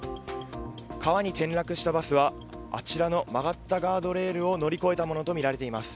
川に転落したバスはあちらの曲がったガードレールを乗り越えたものとみられています。